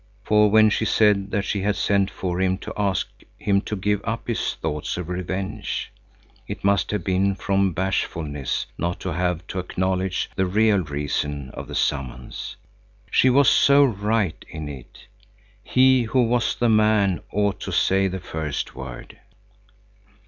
—For when she said that she had sent for him to ask him to give up his thoughts of revenge, it must have been from bashfulness not to have to acknowledge the real reason of the summons. She was so right in it. He who was the man ought to say the first word.